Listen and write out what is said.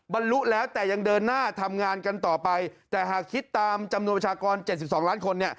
บรรลุแล้วแต่ยังเดินหน้าทำงานกันต่อไปแต่หากคิดตามจำนวนประชากร๗๒ล้านคน